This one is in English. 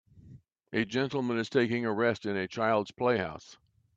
A gentleman is taking a rest in a child 's playhouse.